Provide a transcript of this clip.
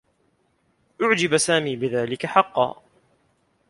أُعجب سامي بذلك حقّا.